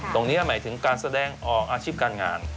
หมายถึงการแสดงออกอาชีพการงาน